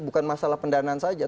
bukan masalah pendanaan saja